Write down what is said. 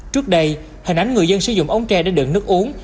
trước đây hình ảnh người dân sử dụng ống tre để đựng nước uống